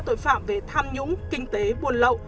tội phạm về tham nhũng kinh tế buồn lậu